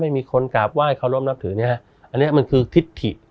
ไม่มีคนกราบไหว้เคารพนับถือเนี่ยฮะอันนี้มันคือทิศถิ